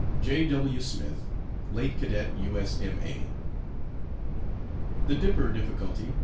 "J. W. SMITH, "Late Cadet U.S.M.A." THE DIPPER DIFFICULTY.